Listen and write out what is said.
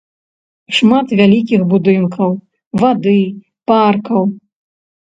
Шмат вялікіх будынкаў, вады, паркаў.